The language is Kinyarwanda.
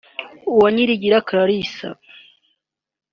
Uwanyirigira Clarisse